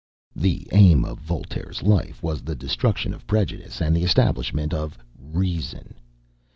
The aim of Voltaire's life was the destruction of prejudice and the establishment of Reason.